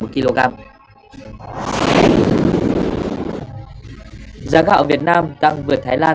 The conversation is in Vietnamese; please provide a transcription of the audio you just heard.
giá gạo việt nam tăng vượt thái lan